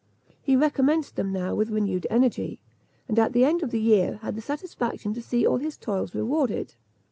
He recommenced them now with renewed energy, and at the end of the year had the satisfaction to see all his toils rewarded.